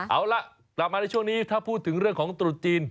เอาล่ะกลับมาในช่วงนี้ถ้าพูดถึงเรื่องของตรุษจีน